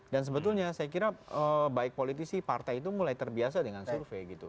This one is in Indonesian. dan sebetulnya saya kira baik politisi partai itu mulai terbiasa dengan survei gitu